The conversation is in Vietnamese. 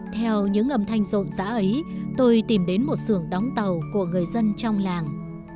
theo những âm thanh rộn rã ấy tôi tìm đến một xưởng đóng tàu của người dân trong làng